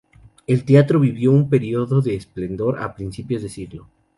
El teatro vivió un periodo de esplendor a principios de siglo.